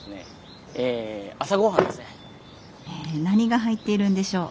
え何が入っているんでしょう？